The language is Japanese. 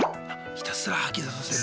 ひたすら吐き出させる。